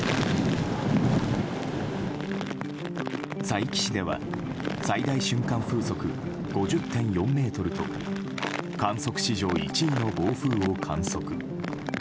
佐伯市では最大瞬間風速５０．４メートルと観測史上１位の暴風を観測。